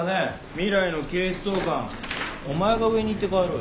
未来の警視総監お前が上に行って変えろよ。